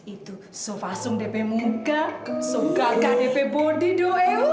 itu so fasung depi muka so gagah depi bodi do eh